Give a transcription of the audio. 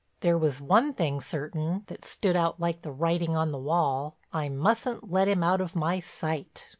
There was one thing certain—that stood out like the writing on the wall—I mustn't let him out of my sight.